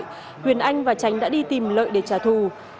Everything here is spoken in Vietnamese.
huyền anh và tránh đã đi tìm lợi để trả thù